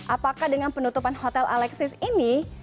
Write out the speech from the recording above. apakah dengan penutupan hotel alexis ini